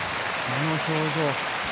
この表情。